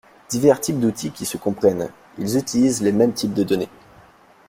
divers types d'outils qui se comprennent : ils utilisent les mêmes types de données.